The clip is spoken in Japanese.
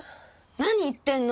何言ってんの！